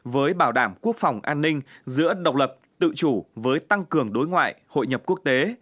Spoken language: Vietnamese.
với bảo đảm quốc phòng an ninh giữa độc lập tự chủ với tăng cường đối ngoại hội nhập quốc tế